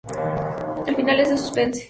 El final es de suspense.